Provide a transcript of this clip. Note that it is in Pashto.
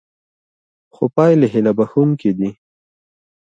خو پایلې هیله بښوونکې دي.